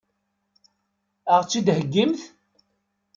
Ad ɣ-tt-id-heggimt?